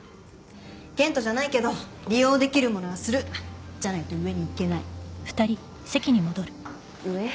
健人じゃないけど利用できるものはするじゃないと上にいけない上？